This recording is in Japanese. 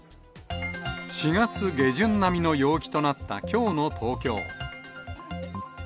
４月下旬並みの陽気となった、きょうの東京。